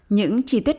những chi tiết đặc biệt